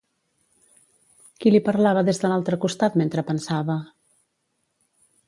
Qui li parlava des de l'altre costat mentre pensava?